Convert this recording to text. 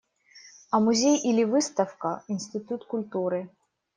А музей или выставка – институт культуры.